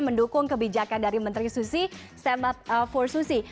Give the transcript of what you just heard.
mendukung kebijakan dari menteri susi stand up for susi